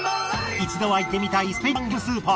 一度は行ってみたいスペイン版業務スーパー。